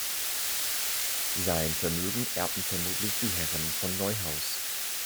Sein Vermögen erbten vermutlich die Herren von Neuhaus.